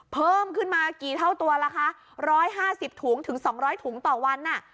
เพิ่มขึ้นมากี่เท่าตัวล่ะคะ๑๕๐ถุงถึง๒๐๐ถุงต่อวัน